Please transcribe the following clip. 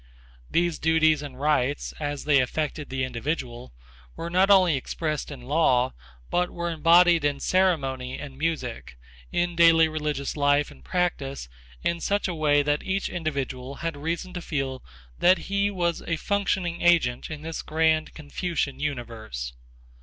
These duties and rights, as they affected the individual, were not only expressed in law but were embodied in ceremony and music, in daily religious life and practice in such a way that each individual had reason to feel that he was a functioning agent in this grand Confucian universe.